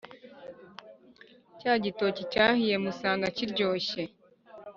Cya gitoki cyahiye musanga kiryoshye